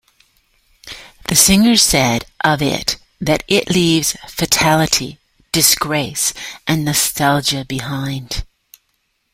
The singer said of it that it "leaves fatality, disgrace, and nostalgia behind.